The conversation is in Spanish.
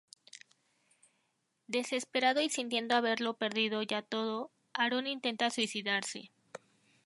Desesperado y sintiendo haberlo perdido ya todo, Aaron intenta suicidarse.